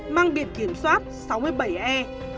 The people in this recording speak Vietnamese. mang biển kiểm soát sáu mươi bảy e một trăm ba mươi sáu